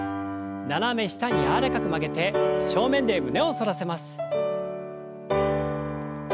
斜め下に柔らかく曲げて正面で胸を反らせます。